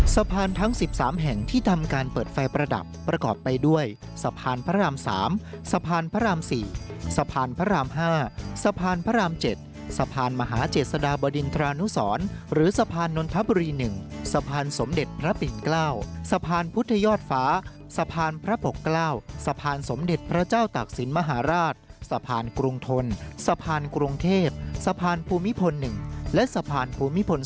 สะพานทั้ง๑๓แห่งที่ทำการเปิดไฟประดับประกอบไปด้วยสะพานพระราม๓สะพานพระราม๔สะพานพระราม๕สะพานพระราม๗สะพานมหาเจษฎาบดินทรานุสรหรือสะพานนนทบุรี๑สะพานสมเด็จพระปิ่น๙สะพานพุทธยอดฟ้าสะพานพระปกเกล้าสะพานสมเด็จพระเจ้าตากศิลป์มหาราชสะพานกรุงทนสะพานกรุงเทพสะพานภูมิพล๑และสะพานภูมิพล๒